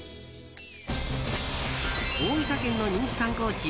大分県の人気観光地